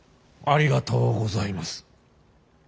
ありがとうございます。